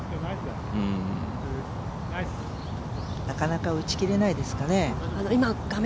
なかなか打ち切れないですかね？